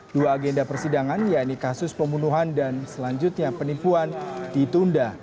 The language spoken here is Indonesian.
dua agenda persidangan yaitu kasus pembunuhan dan selanjutnya penipuan ditunda